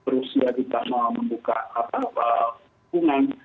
rusia juga mau membuka hubungan